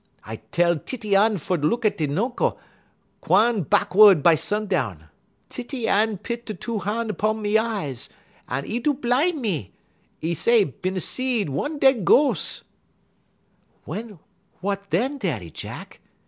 I tell Titty Ann fer look at we nuncle, gwan bahckwud by sundown. Titty Ann pit 'e two han' 'pon me y eyes, en 'e do bline me. 'E say I bin a see one dead ghos'." "What then, Daddy Jack?"